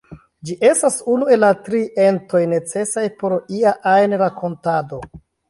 Ĝi estas unu el la tri entoj necesaj por ia ajn rakontado.